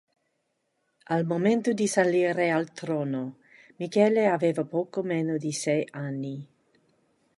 Al momento di salire al trono, Michele aveva poco meno di sei anni.